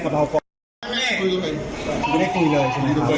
แจ้งเลย